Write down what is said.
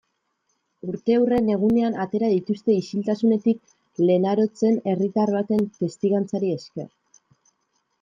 Urteurren egunean atera dituzte isiltasunetik Lenarotzen, herritar baten testigantzari esker.